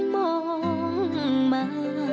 มองมา